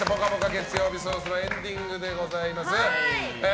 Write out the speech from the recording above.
月曜日そろそろエンディングでございます。